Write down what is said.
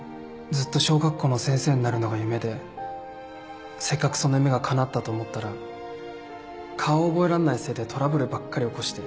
ずっと小学校の先生になるのが夢でせっかくその夢がかなったと思ったら顔覚えらんないせいでトラブルばっかり起こして。